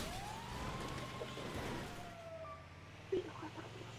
آیا کاناډا د سپورت اقتصاد نلري؟